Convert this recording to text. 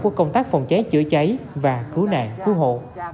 của công tác phòng cháy chữa cháy và cứu nạn cứu hộ